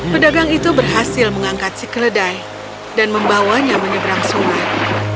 pedagang itu berhasil mengangkat si keledai dan membawanya menyeberang sungai